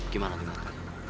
gimana dengan itu